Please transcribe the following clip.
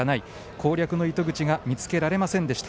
攻略の糸口が見つけられませんでした。